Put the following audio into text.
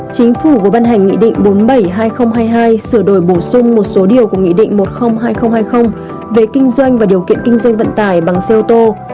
chính phủ vừa ban hành nghị định bốn mươi bảy hai nghìn hai mươi hai sửa đổi bổ sung một số điều của nghị định một trăm linh hai nghìn hai mươi về kinh doanh và điều kiện kinh doanh vận tải bằng xe ô tô